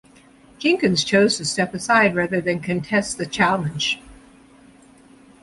Jenkins chose to step aside rather than contest the challenge.